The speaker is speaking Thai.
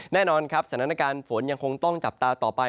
แน่นอนครับสถานการณ์ฝนยังคงต้องจับตาต่อไป